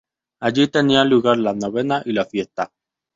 Allí tenía lugar la novena y la fiesta.